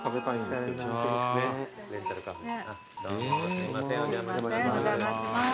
すいませんお邪魔します。